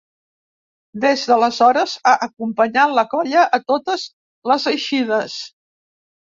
Des d'aleshores ha acompanyat la colla a totes les eixides.